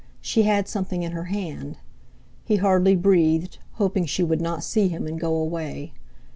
She had something in her hand. He hardly breathed, hoping she would not see him, and go away.